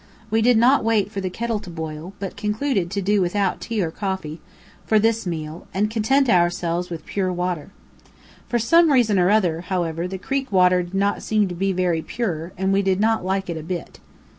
We did not wait for the kettle to boil, but concluded to do without tea or coffee, for this meal, and content ourselves with pure water. For some reason or other, however, the creek water did not seem to be very pure, and we did not like it a bit.